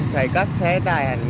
thấy các xe tải